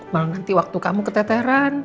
malah nanti waktu kamu keteteran